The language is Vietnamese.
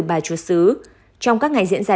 bà chúa sứ trong các ngày diễn ra